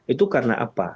itu karena apa